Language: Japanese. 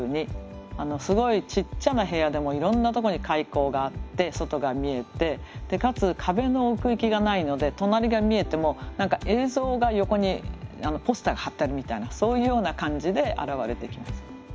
すごいちっちゃな部屋でもいろんなとこに開口があって外が見えてかつ壁の奥行きがないので隣が見えても何か映像が横にポスターが貼ってあるみたいなそういうような感じで現れてきます。